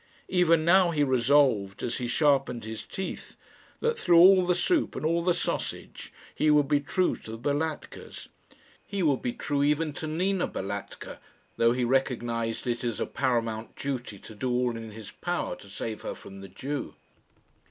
Even now he resolved, as he sharpened his teeth, that through all the soup and all the sausage he would be true to the Balatkas. He would be true even to Nina Balatka though he recognised it as a paramount duty to do all in his power to save her from the Jew.